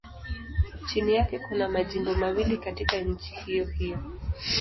Chini yake kuna majimbo mawili katika nchi hiyohiyo.